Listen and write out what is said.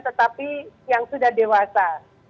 tetapi yang sudah dewasa